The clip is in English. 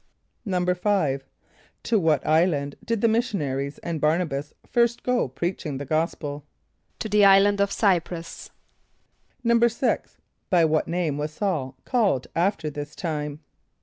= =5.= To what island did the missionaries and Bär´na b[)a]s first go preaching the gospel? =To the island of Ç[=y]´prus.= =6.= By what name was Sa[u:]l called after this time?